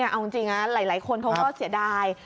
เอาจริงนะหลายคนเขาก็เสียดาย